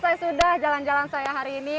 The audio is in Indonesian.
dah ya selesai sudah jalan jalan saya hari ini